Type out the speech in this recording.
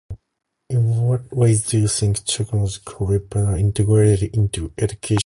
What ways do you think [unintelligible] integrated into educati—